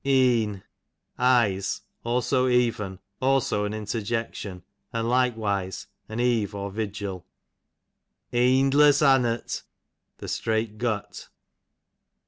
{eyes ; also even ; also an in terjection ; and likewise ayi eve, or vigil. Eendless annat, the straight gut.